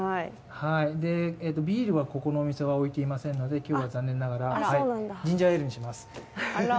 ビールはここのお店には置いてありませんので今日は、残念ながらジンジャーエールにします。